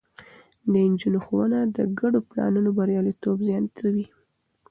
د نجونو ښوونه د ګډو پلانونو برياليتوب زياتوي.